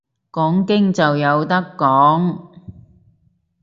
講經就有得講